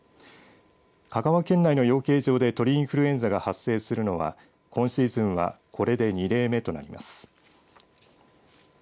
香川県内の養鶏場で鳥インフルエンザが発生するのは今シーズンはこれで２例目となります。